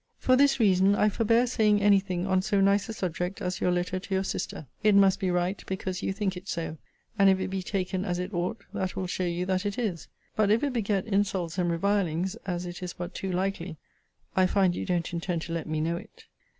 For this reason, I forbear saying any thing on so nice a subject as your letter to your sister. It must be right, because you think it so and if it be taken as it ought, that will show you that it is. But if it beget insults and revilings, as it is but too likely, I find you don't intend to let me know it.